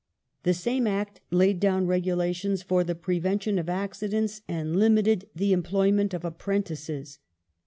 The same Act laid down regulations for the prevention of accidents and limited the employment of apprentices.